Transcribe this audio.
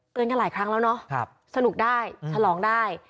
กันหลายครั้งแล้วเนาะสนุกได้ฉลองได้